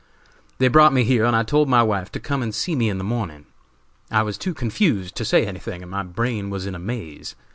They brought me here and I told my wife to come and see me in the morning. I was too confused to say anything and my brain was in a maze.